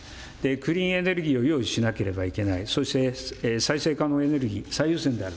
クリーンエネルギーを用意しなければいけない、そして再生可能エネルギー、最優先である。